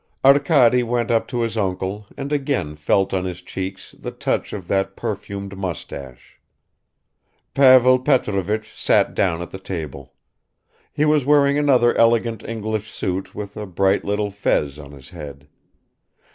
Arkady went up to his uncle and again felt on his cheeks the touch of that perfumed mustache. Pavel Petrovich sat down at the table. He was wearing another elegant English suit with a bright little fez on his head.